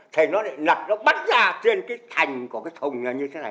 thì nó lại lật nó bắt ra trên cái thành của cái thùng như thế này